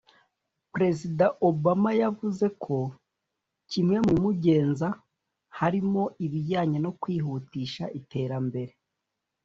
Perezida Obama yavuze ko kimwe mu bimugenza harimo ibijyanye no kwihutisha iterambere